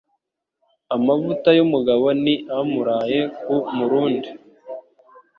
Amavuta y'umugabo ni amuraye ku murundi.